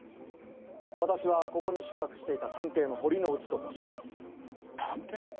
私はここに宿泊していた探偵のホリノウチと申します探偵？